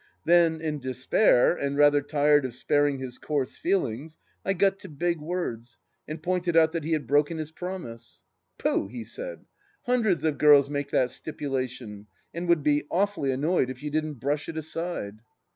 Then in despair, and rather tired of sparing his coarse feelings, I got to big words, and pointed out that he had broken his promise. ..." Pooh 1 " he said. " Hundreds of girls make that stipulation, and would be awfully annoyed if you didn't brush it aside